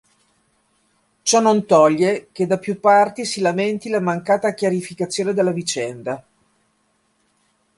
Ciò non toglie che da più parti si lamenti la mancata chiarificazione della vicenda.